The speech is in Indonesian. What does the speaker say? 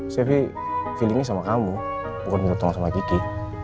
saya feelingnya sama kamu bukan minta tolong sama diki